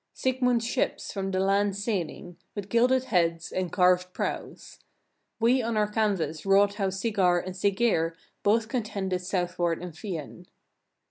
16. Sigmund's ships from the land sailing, with gilded heads, and carved prows. We on our canvas wrought how Sigar and Siggeir both contended southward in Fyen.